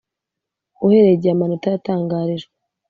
uhereye igihe amanota yatangarijwe,